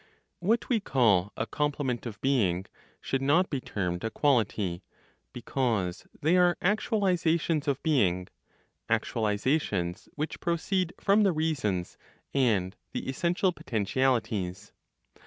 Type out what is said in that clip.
What we call a complement of being should not be termed a quality, because they are actualizations of being, actualizations which proceed from the reasons and the essential potentialities.